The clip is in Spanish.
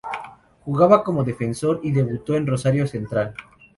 Jugaba como defensor y debutó en Rosario Central.